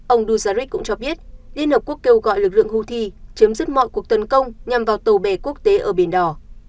ông duzarik cũng cho biết liên hợp quốc kêu gọi lực lượng houthi chấm dứt mọi cuộc tấn công nhằm vào tàu bè quốc tế ở biển đỏ